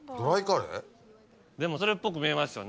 でもそれっぽく見えますよね。